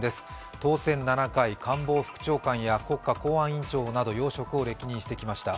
当選７回、官房副長官や国家公安委員長など要職を歴任してきました。